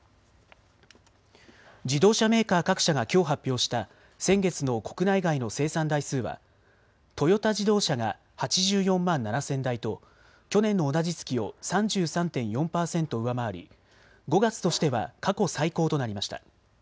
自動車メーカー各社がきょう発表した先月の国内外の生産台数はトヨタ自動車が８４万７０００台と去年の同じ月を３３．４％上回り５月としては過去最高となりました。